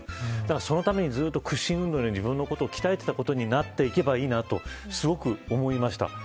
そのためにずっと屈伸運動のように、自分のことを鍛えていたことになっていけばいいなとすごく思いました。